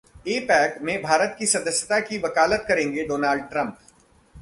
APEC में भारत की सदस्यता की वकालत करेंगे डोनाल्ड ट्रंप